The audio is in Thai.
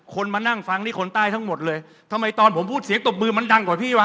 มานั่งฟังนี่คนใต้ทั้งหมดเลยทำไมตอนผมพูดเสียงตบมือมันดังกว่าพี่วะ